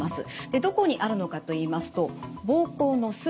どこにあるのかといいますと膀胱のすぐ下。